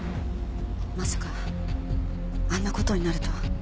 まさかあんな事になるとは。